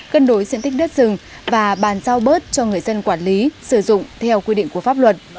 cân đối diện tích đất rừng và bàn giao bớt cho người dân quản lý sử dụng theo quy định của pháp luật